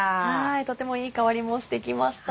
とてもいい香りもしてきました。